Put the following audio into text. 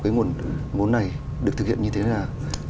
nguồn này được thực hiện như thế nào